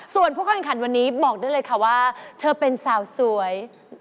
ส่วนผู้เข้าแข่งขันวันนี้บอกได้เลยค่ะว่าเธอเป็นสาวสวย